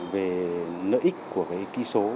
về lợi ích của cái ký số